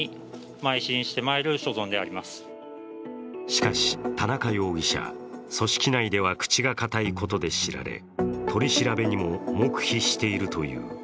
しかし、田中容疑者、組織内では口が堅いことで知られ取り調べにも黙秘しているという。